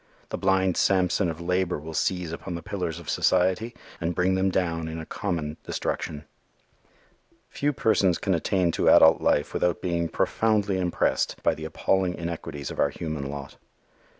The blind Samson of labor will seize upon the pillars of society and bring them down in a common destruction. Few persons can attain to adult life without being profoundly impressed by the appalling inequalities of our human lot.